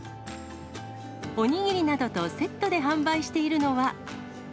お握りなどとセットで販売しているのは。